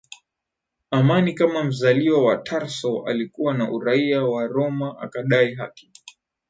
amani Kama mzaliwa wa Tarso alikuwa na uraia wa Roma akadai haki